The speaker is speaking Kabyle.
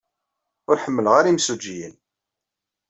Ur ḥemmleɣ ara imsujjiyen.